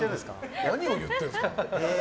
何を言ってるんですか。